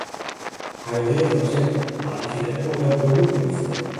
Hy leaver as ik, mar ik hie der ek wol wer bewûndering foar.